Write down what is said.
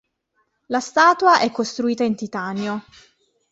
La statua è costruita in titanio.